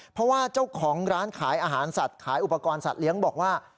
เพราะว่าเจ้าของร้านขายอาหารสัตว์ขายอุปกรณ์สัตว์เลี้ยงบอกว่า